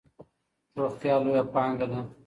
روغتیا لویه پانګه ده.